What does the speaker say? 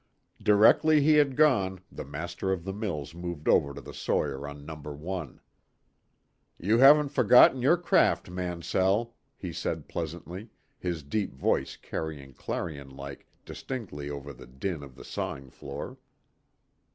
Directly he had gone the master of the mills moved over to the sawyer on No. 1. "You haven't forgotten your craft, Mansell," he said pleasantly, his deep voice carrying, clarion like, distinctly over the din of the sawing floor.